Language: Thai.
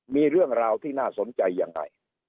มีเรื่องราวที่น่าสนใจยังไง